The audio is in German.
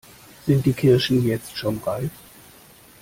Sind die Kirschen jetzt schon reif?